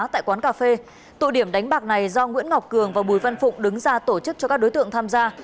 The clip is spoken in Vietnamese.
tại quán cà phê tụ điểm đánh bạc này do nguyễn ngọc cường và bùi văn phụng đứng ra tổ chức cho các đối tượng tham gia